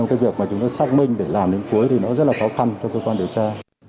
cái việc mà chúng ta xác minh để làm đến cuối thì nó rất là khó khăn cho cơ quan điều tra